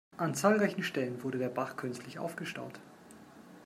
An zahlreichen Stellen wurde der Bach künstlich aufgestaut.